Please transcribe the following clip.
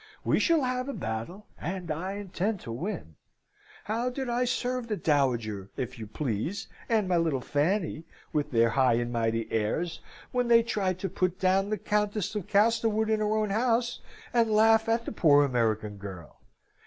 We shall have a battle, and I intend to win. How did I serve the Dowager, if you please, and my Lady Fanny, with their high and mighty airs, when they tried to put down the Countess of Castlewood in her own house, and laugh at the poor American girl?